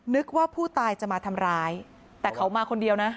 ว่าผู้ตายจะมาทำร้ายแต่เขามาคนเดียวนะ